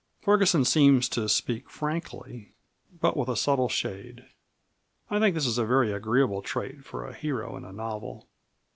Ferguson seems to speak frankly, but with a subtle shade. I think this is a very agreeable trait for a hero in a novel."